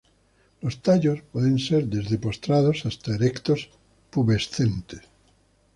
Los tallos pueden ser desde postrados hasta erectos, pubescentes.